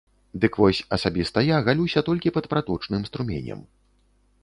Дык вось, асабіста я галюся толькі пад праточным струменем.